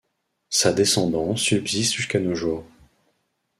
Sa descendance subsiste jusqu'à nos jours.